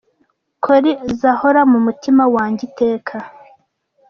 Cory zahora mu mutima wanjye iteka.